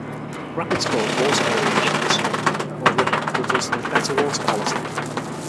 Rapids cause water aeration of the stream or river resulting in better water quality.